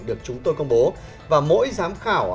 được chúng tôi công bố và mỗi giám khảo